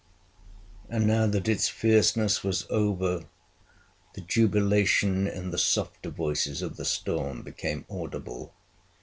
And now that its fierceness was over, the jubilation in the softer voices of the storm became audible.